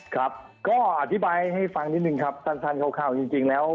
ครับก็อธิบายให้ฟังนิดนึงครับสั้นคร่าวจริงแล้ว